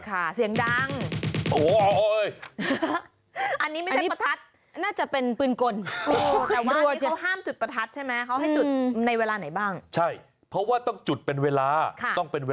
ค่ะเสียงดังโอ้โฮ